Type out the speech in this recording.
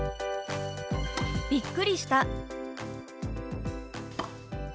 「びっくりした」。